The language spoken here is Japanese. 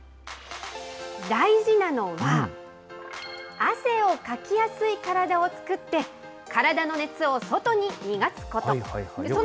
大事なのが、汗をかきやすい体を作って、体の熱を外に逃がすこと。